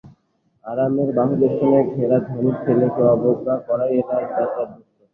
আরামের বাহুবেষ্টনে ঘেরা ধনীর ছেলেকে অবজ্ঞা করাই এলার অভ্যস্ত।